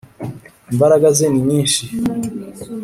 Imbaraga ze ni nyishi.